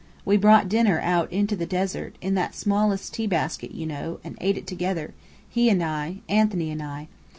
We brought dinner out into the desert, in that smallest tea basket, you know, and ate it together, he and I Antony and I.